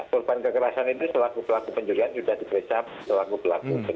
korban kekerasan itu selaku pelaku penjurian sudah dipesap selaku pelaku penjurian